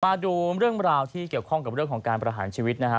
มาดูเรื่องราวที่เกี่ยวข้องกับเรื่องของการประหารชีวิตนะฮะ